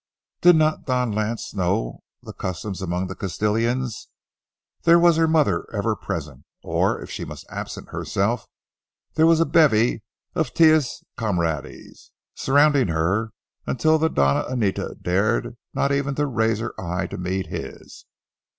Did not Don Lance know the customs among the Castilians? There was her mother ever present, or if she must absent herself, there was a bevy of tias comadres surrounding her, until the Doña Anita dare not even raise her eyes to meet his.